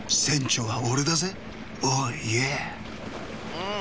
うん。